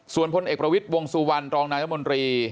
ส่วนพลเอกประวิทย์วงสุวรรณรองนายรัฐมนตรี